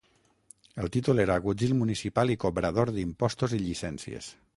El títol era agutzil municipal i cobrador d'impostos i llicències.